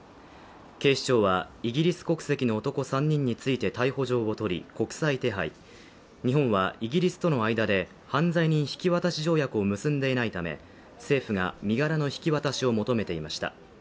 警視庁はイギリス国籍の男３人について逮捕状を取り国際手配、日本はイギリスとの間で犯罪人引渡し条約を結んでいないため、政府が身柄の引き渡しを求めていました。